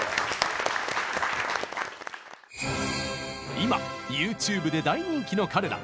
今ＹｏｕＴｕｂｅで大人気の彼ら。